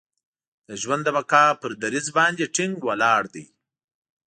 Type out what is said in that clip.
د ژوند د بقا پر دریځ باندې ټینګ ولاړ دی.